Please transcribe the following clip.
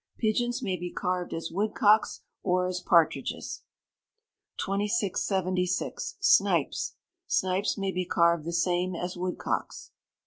Pigeons may be carved as woodcocks, or as partridges. 2676. Snipes. Snipes may be carved the same as woodcocks.